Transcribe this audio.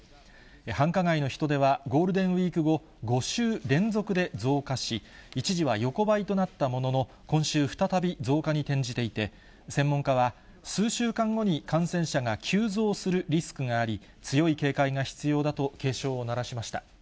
繁華街の人出はゴールデンウィーク後、５週連続で増加し、一時は横ばいとなったものの、今週、再び増加に転じていて、専門家は、数週間後に感染者が急増するリスクがあり、強い警戒が必要だと警鐘を鳴らしました。